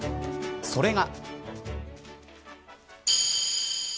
それが。